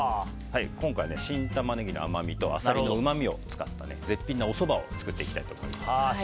今回は新タマネギの甘みとアサリのうまみを使って絶品のおそばを作っていきます。